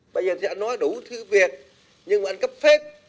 bây giờ thì anh nói đủ thư việc nhưng mà anh cấp phép